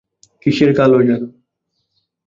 কীসের কালো জাদু?